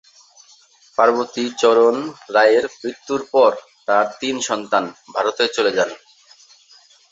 পার্বতী চরণ রায়ের মৃত্যুর পর তার তিন সন্তান ভারতে চলে যান।